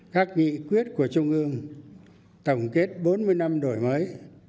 các nghị quyết của trung ương tổng kết bốn mươi năm đổi mới